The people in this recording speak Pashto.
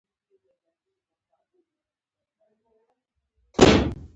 بانکونه باید فعال وي